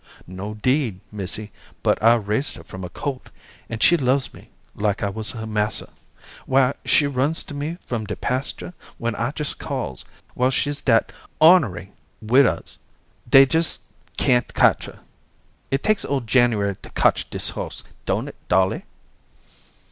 "No, 'deed, missy, but I raised her from a colt, and she loves me like I wuz her massa. Why, she runs to me from de pasture when I jes' calls, while she's dat ornary wid odders, dey jes' can't cotch her. It takes old January to cotch dis horse, don't it, Dolly?"